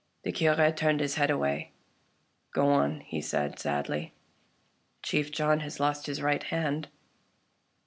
The Cure turned his head away. " Go on," he said sadly. " Chief John has lost his right hand.